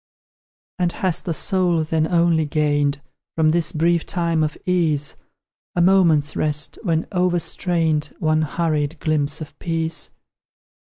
And has the soul, then, only gained, From this brief time of ease, A moment's rest, when overstrained, One hurried glimpse of peace?